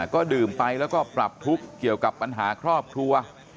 ก็ดื่มไปแล้วก็ปรับทุกข์เกี่ยวกับปัญหาครอบครัว